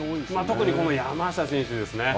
特にこの山下選手ですね。